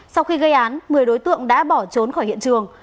sau khi gây án một mươi đối tượng đã bỏ trốn khỏi hiện trường